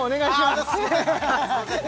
すいません